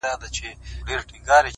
راوړي دي و یار ته یار لېمه شراب شراب,